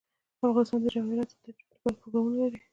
افغانستان د جواهرات د ترویج لپاره پروګرامونه لري.